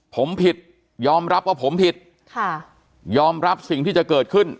ผมผิดยอมรับว่าผมผิดค่ะยอมรับสิ่งที่จะเกิดขึ้น